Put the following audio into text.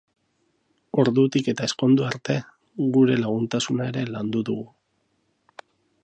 Ordutik eta ezkondu arte, gure laguntasuna ere landu dugu.